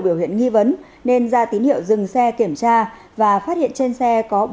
biểu hiện nghi vấn nên ra tín hiệu dừng xe kiểm tra và phát hiện trên xe có